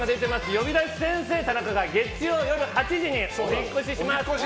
「呼び出し先生タナカ」が月曜夜８時にお引っ越しします。